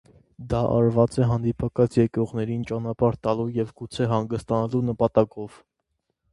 Դա արված է հանդիպակաց եկողներին ճանապարհ տալու և գուցե հանգստանալու նպատակով։